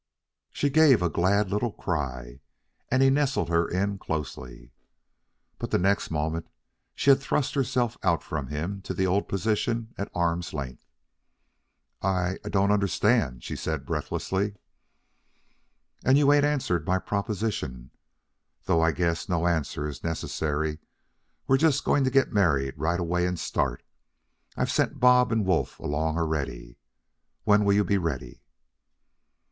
She gave a glad little cry, and he nestled her in closely. But the next moment she had thrust herself out from him to the old position at arm's length. "I I don't understand," she said breathlessly. "And you ain't answered my proposition, though I guess no answer is necessary. We're just going to get married right away and start. I've sent Bob and Wolf along already. When will you be ready?"